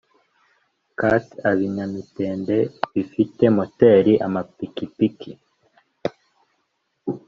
cat A/-ibinyamitende bifite moteri -amapikipiki